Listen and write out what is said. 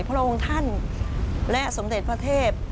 พระองค์ท่านและสมเด็จพระเทพ